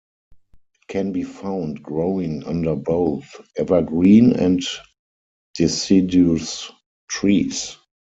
It can be found growing under both evergreen and deciduous trees.